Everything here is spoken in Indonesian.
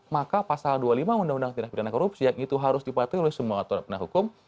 maka pasal dua puluh lima undang undang tindakan bidang korupsi yang itu harus dipatuhi oleh semua atur pendana hukum